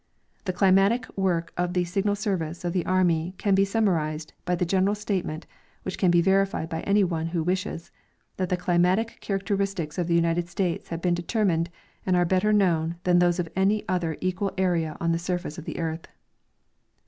The climatic work of the Signal service of the army can be sunnnarized by the general statement (which can be verified by any one who wishes) that the climatic characteristics of the United States have been determined and are better known than those of any other equal area on the surface of the earth.